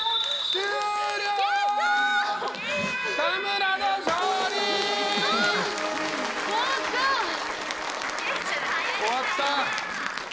終わった。